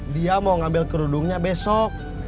dia mau ngambil kerudungnya besok